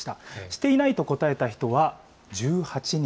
していないと答えた人は１８人。